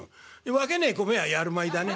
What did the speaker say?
分けねえ米はやる米だね。